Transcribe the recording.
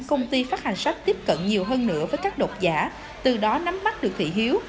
công ty phát hành sách tiếp cận nhiều hơn nữa với các độc giả từ đó nắm bắt được thị hiếu